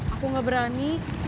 aku gak berani